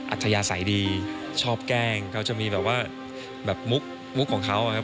อัธยาศัยดีชอบแกล้งเขาจะมีแบบว่าแบบมุกของเขานะครับ